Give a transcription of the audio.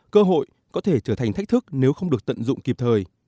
cơ hội có thể trở thành thách thức nếu không được tận dụng kịp thời